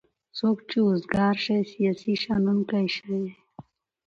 څوک چې اوزګار شی سیاسي شنوونکی شي.